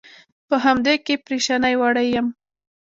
په همدې کې پرېشانۍ وړی یم.